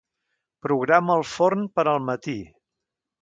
Programa el forn per al matí.